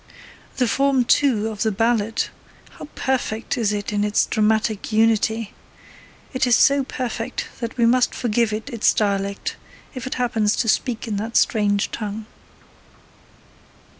The form, too, of the ballad how perfect it is in its dramatic unity! It is so perfect that we must forgive it its dialect, if it happens to speak in that strange tongue.